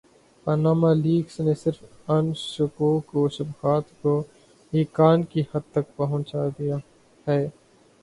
Panama leaks نے صرف ان شکوک وشبہات کو ایقان کی حد تک پہنچا دیا ہے۔